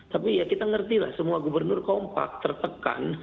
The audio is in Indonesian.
tapi ya kita ngerti lah semua gubernur kompak tertekan